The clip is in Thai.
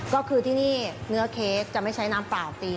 ก็คือที่นี่เนื้อเค้กจะไม่ใช้น้ำเปล่าตี